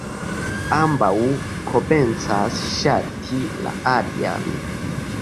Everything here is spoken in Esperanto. Ambaŭ komencas ŝati la alian.